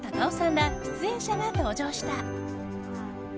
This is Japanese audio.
ら出演者が登場した。